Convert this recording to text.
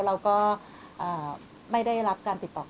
เราก็ไม่ได้รับการติดต่อกลับค่ะ